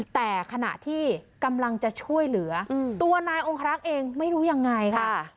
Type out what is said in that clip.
แต่ขณะที่กำลังจะช่วยเหลือตัวนายองครักษ์เองไม่รู้ยังไงค่ะ